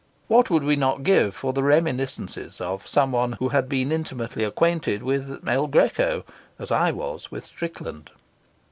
What would we not give for the reminiscences of someone who had been as intimately acquainted with El Greco as I was with Strickland?